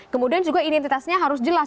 kemudian juga identitasnya harus jelas